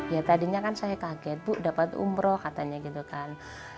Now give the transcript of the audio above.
ya tadinya kan saya kaget bu dapat umroh katanya gitu kan